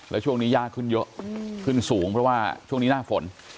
แล้วช่วงนี้ยากขึ้นเยอะขึ้นสูงเพราะว่าช่วงนี้หน้าฝน